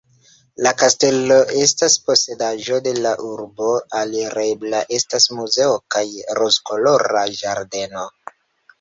La kastelo estas posedaĵo de la urbo, alirebla estas muzeo kaj Rozkolora ĝardeno.